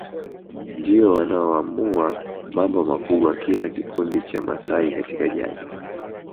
ndio wanaoamua mambo makubwa kila kikundi cha Wamasai Katika jadi